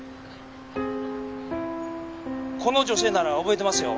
この女性なら覚えてますよ。